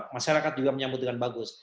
masyarakat juga menyambut dengan bagus